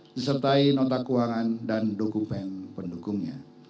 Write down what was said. disertai nota keuangan dan dokumen pendukungnya